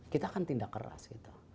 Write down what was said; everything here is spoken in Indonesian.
kita akan tindak keras gitu